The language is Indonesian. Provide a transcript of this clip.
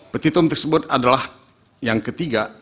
petitum tersebut adalah yang ketiga